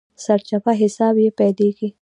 سرچپه حساب يې پيلېږي.